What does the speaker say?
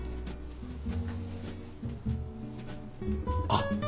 あっ。